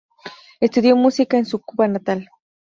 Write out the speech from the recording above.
Estudió música en su Cuba natal.